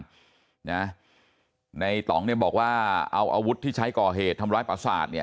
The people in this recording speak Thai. จังหวัดลำปางในตองบอกว่าเอาอาวุธที่ใช้ก่อเหตุทำร้ายประสาท